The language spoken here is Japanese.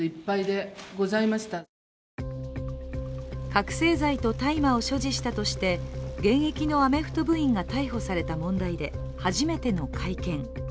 覚醒剤と大麻を所持したとして現役のアメフト部員が逮捕された問題で初めての会見。